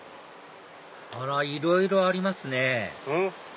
あらいろいろありますね